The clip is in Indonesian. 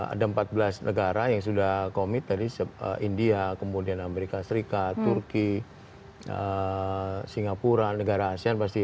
ada empat belas negara yang sudah komit tadi india kemudian amerika serikat turki singapura negara asean pasti